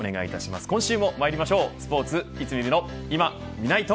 今週もまいりましょうスポーツいつ見るのいま、みないと。